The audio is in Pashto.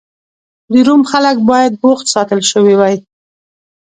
د روم خلک باید بوخت ساتل شوي وای.